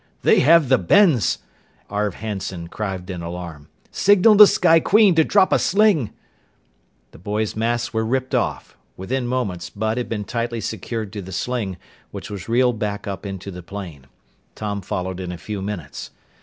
"They have the bends!" Arv Hanson cried in alarm. "Signal the Sky Queen to drop a sling!" The boys' masks were ripped off. Within moments, Bud had been tightly secured to the sling, which was reeled back up into the plane. Tom followed in a few minutes.